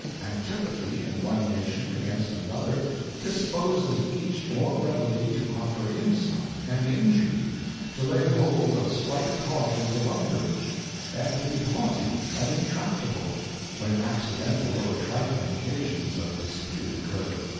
ŌĆö Antipathy in one nation against another disposes each more readily to offer insult and injury, to lay hold of slight causes of umbrage, and to be haughty and intractable, when acci dental or trifling occasions of dispute occur.